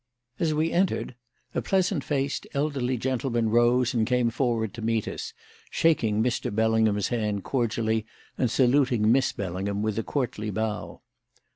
As we entered, a pleasant faced, elderly gentleman rose and came forward to meet us, shaking Mr. Bellingham's hand cordially and saluting Miss Bellingham with a courtly bow.